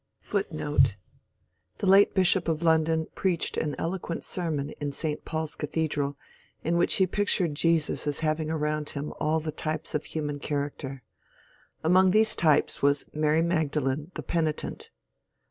^^ The late BUhop of London presohed an eloquent sermon in St Paul's cathedral in which he pictured Jesus as haying around him all the types of human character. Among these types was " Mary Magdalene, the Penitent."